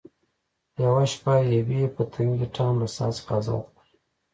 یوه شپه یوې پتنګې ټام له ساعت څخه ازاد کړ.